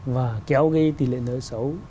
và kéo ghi tỷ lệ nợ xấu